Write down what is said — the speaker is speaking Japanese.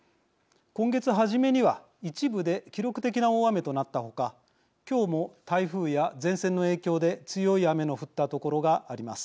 今月初めには一部で記録的な大雨となったほか今日も台風や前線の影響で強い雨の降った所があります。